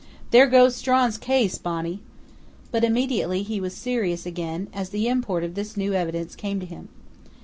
"There goes Strawn's case, Bonnie!" But immediately he was serious again, as the import of this new evidence came to him.